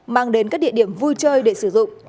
mang đến các địa điểm vui chơi để sử dụng